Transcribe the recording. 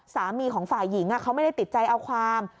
สามีของฝ่ายหญิงเขาไม่ได้ติดใจเอาความ